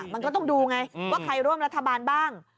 มันก็ต้องดูไงว่าใครร่วมรัฐบาลบ้าง